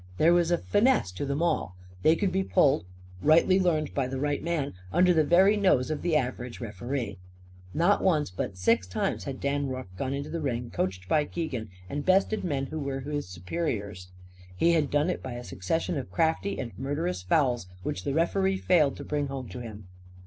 There was a finesse to them all. They could be pulled rightly learned by the right man under the very nose of the average referee. Not once, but six times, had Dan Rorke gone into the ring, coached by Keegan, and bested men who were his superiors. He had done it by a succession of crafty and murderous fouls, which the referee failed to bring home to him.